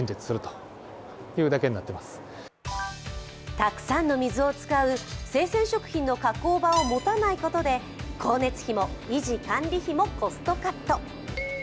たくさんの水を使う生鮮食品の加工場を持たないことで光熱費も維持管理費もコストカット。